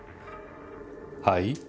はい。